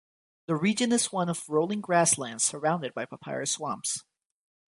The region is one of rolling grassland surrounded by papyrus swamps.